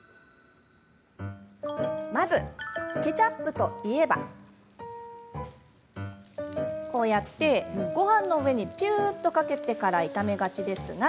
まず、ケチャップといえばごはんの上にぴゅーっとかけてから炒めがちですよね。